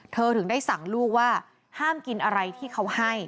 ถึงได้สั่งลูกว่าห้ามกินอะไรที่เขาให้